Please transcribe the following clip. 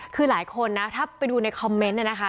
คือหลายคนนะถ้าไปดูในคอมเมนต์เนี่ยนะคะ